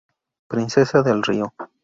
Princesa del río.